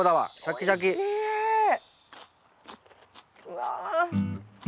うわ。